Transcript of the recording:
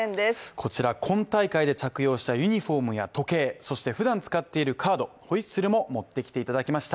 こちら、今大会で着用したユニフォームや時計、そしてふだん使っているカード、ホイッスルも持ってきていただきました。